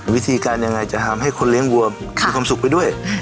วิธีการยังไงจะทำให้คนเลี้ยงวัวมีความสุขไปด้วย